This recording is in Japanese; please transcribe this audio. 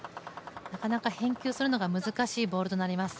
なかなか返球するのが難しいボールとなります。